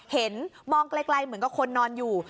เห็นมองไกลเหมือนกับคนนอนอยู่